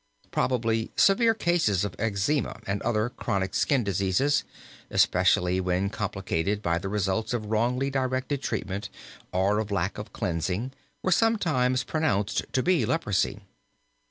Probably severe cases of eczema and other chronic skin diseases, especially when complicated by the results of wrongly directed treatment or of lack of cleansing, were sometimes pronounced to be leprosy.